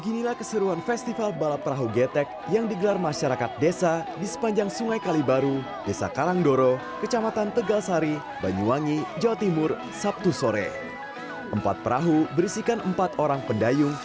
libur panjang balap perahu getek ini juga bertujuan untuk mengedukasi warga bahwa sungai di sekitarnya bisa dijadikan tempat wisata yang menarik